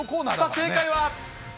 正解は。